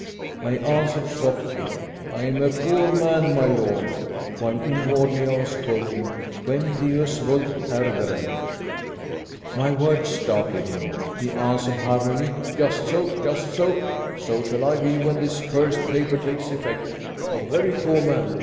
I answered softly, "I am a poor man, my lord," while inwardly I was quoting "quem Deus vult perdere." My words startled him. He answered hurriedly, "Just so! just so! So shall I be when this cursed paper takes effect. A very poor man!